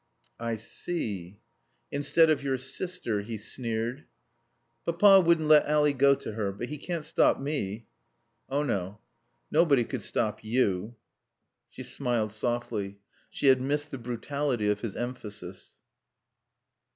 "I see. Instead of your sister," he sneered. "Papa wouldn't let Ally go to her. But he can't stop me." "Oh, no. Nobody could stop you." She smiled softly. She had missed the brutality of his emphasis.